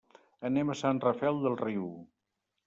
Anem a Sant Rafel del Riu.